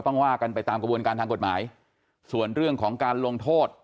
ว่ากันไปตามกระบวนการทางกฎหมายส่วนเรื่องของการลงโทษ